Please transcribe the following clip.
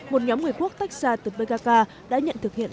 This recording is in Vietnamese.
một nhóm người quốc tách xa từ pkk đã nhận thực hiện